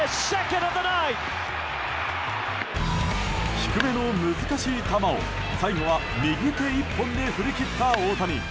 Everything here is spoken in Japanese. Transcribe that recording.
低めの難しい球を最後は右手１本で振り切った大谷。